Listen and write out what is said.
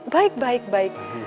baik baik baik